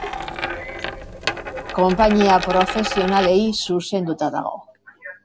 Konpainia profesionalei zuzenduta dago.